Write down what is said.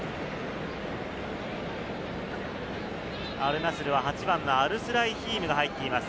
アルナスルは８番のアルスライヒームが入っています。